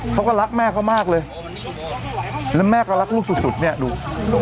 เขาก็รักแม่เขามากเลยแล้วแม่ก็รักลูกสุดสุดเนี่ยดู